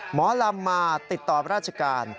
หมอลำมาติดต่อราชการ